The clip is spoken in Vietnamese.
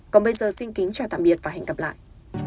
còn bây giờ xin kính chào tạm biệt và hẹn gặp lại